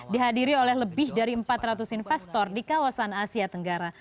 dihadiri oleh lebih dari empat ratus investor di kawasan asia tenggara